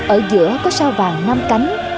ở giữa có sao vàng nam cánh